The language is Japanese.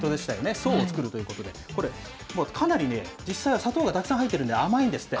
層を作るということで、これ、かなりね、実際は砂糖がたくさん入ってるんで、甘いんですって。